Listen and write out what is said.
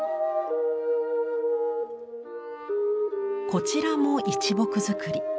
こちらも一木造り。